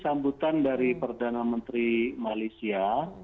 kalau mengikuti sambutan dari perdana menteri malaysia